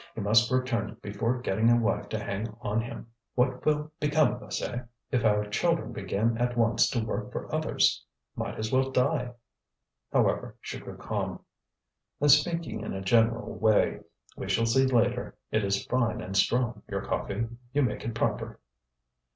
He must return it before getting a wife to hang on him. What will become of us, eh, if our children begin at once to work for others? Might as well die!" However, she grew calm. "I'm speaking in a general way; we shall see later. It is fine and strong, your coffee; you make it proper."